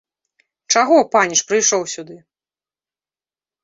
Чаго, паніч, прыйшоў сюды?